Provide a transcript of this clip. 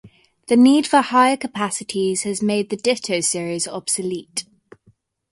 The need for higher capacities has made the Ditto series obsolete.